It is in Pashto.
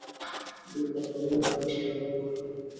بیرته پر هند باندي یرغل وکړي.